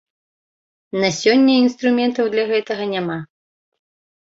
На сёння інструментаў для гэтага няма.